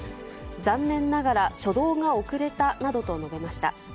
残念ながら初動が遅れたなどと述べました。